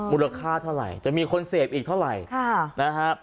มูลค่าเท่าไหร่จะมีคนเสพอีกเท่าไหร่นะฮะ